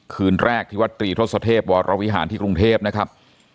คืนแรกที่วัดตรีทศเทพวรวิหารที่กรุงเทพนะครับ